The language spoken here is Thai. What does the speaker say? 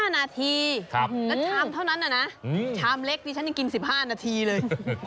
๕นาทีแล้วชามเท่านั้นนะชามเล็กดิฉันยังกิน๑๕นาทีเลย